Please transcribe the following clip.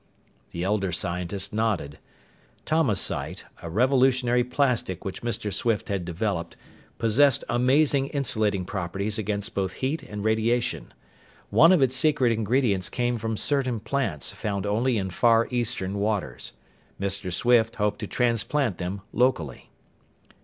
The elder scientist nodded. Tomasite, a revolutionary plastic which Mr. Swift had developed, possessed amazing insulating properties against both heat and radiation. One of its secret ingredients came from certain plants found only in Far Eastern waters. Mr. Swift hoped to transplant them locally.